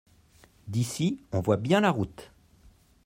D'ici on voit bien la route.